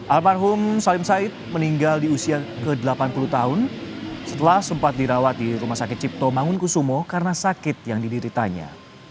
almarhum salim said meninggal di usia ke delapan puluh tahun setelah sempat dirawat di rumah sakit cipto mangunkusumo karena sakit yang didiritanya